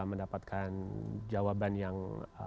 mendapatkan jawaban yang